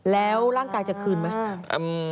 แล้วร่างกายจะคืนไหม